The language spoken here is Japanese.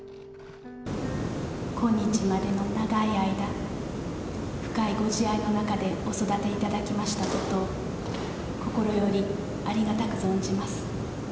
今日までの長い間、深いご慈愛の中でお育ていただきましたこと、心よりありがたく存じます。